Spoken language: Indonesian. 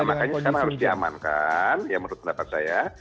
makanya sekarang harus diamankan ya menurut pendapat saya